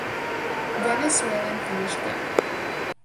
Venezuelan finished third.